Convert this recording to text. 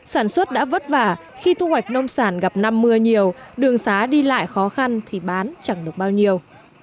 sản xuất đã vất vả khi thu hoạch nông sản gặp năm mưa nhiều đường xá đi lại khó khăn thì bán chẳng được bao nhiêu